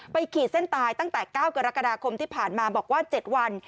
ขีดเส้นตายตั้งแต่๙กรกฎาคมที่ผ่านมาบอกว่า๗วัน